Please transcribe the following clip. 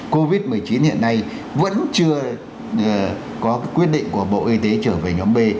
covid một mươi chín hiện nay vẫn chưa có quyết định của bộ y tế trở về nhóm b